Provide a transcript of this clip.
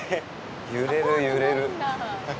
揺れる揺れる。